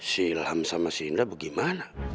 si ilham sama si indra bagaimana